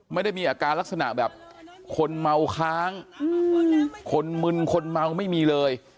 ไม่ได้มีอาการลักษณะแบบคนเมาค้างคนมึนคนเมาไม่มีเลย